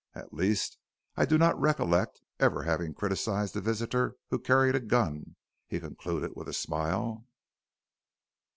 At least I do not recollect ever having criticized a visitor who carried a gun," he concluded with a smile.